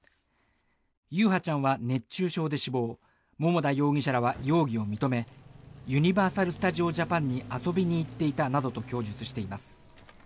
優陽ちゃんは熱中症で死亡桃田容疑者らは容疑を認めユニバーサル・スタジオ・ジャパンに遊びに行っていたなどと供述しています。